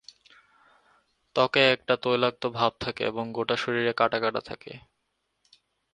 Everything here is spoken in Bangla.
ত্বকে একটা তৈলাক্ত ভাব থাকে এবং গোটা শরীরে কাঁটা কাঁটা থাকে।